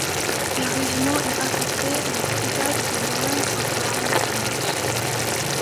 Le régiment est affecté à la brigade de Lawrence O'Bryan Branch.